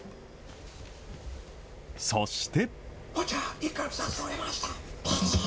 そして。